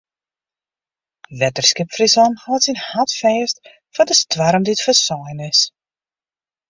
Wetterskip Fryslân hâldt syn hart fêst foar de stoarm dy't foarsein is.